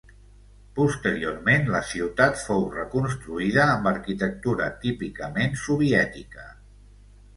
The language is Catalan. Posteriorment la ciutat fou reconstruïda amb arquitectura típicament soviètica.